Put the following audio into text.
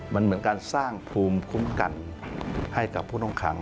มันเหมือนการสร้างภูมิคุ้มกันให้กับผู้ต้องขัง